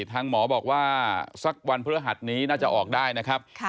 ทางหมอบอกว่าสักวันพฤหัสนี้น่าจะออกได้นะครับ